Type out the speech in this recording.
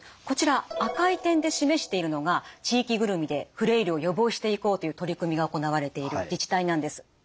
こちら赤い点で示しているのが地域ぐるみでフレイルを予防していこうという取り組みが行われている自治体なんです。